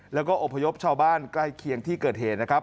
แล้วก็อบพยพชาวบ้านใกล้เคียงที่เกิดเหตุนะครับ